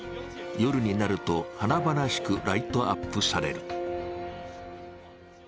夜になると華々しくライトアップされる。